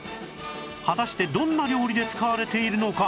果たしてどんな料理で使われているのか